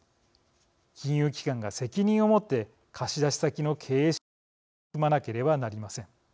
金融機関が責任を持って貸し出し先の経営支援に取り組まなければなりません。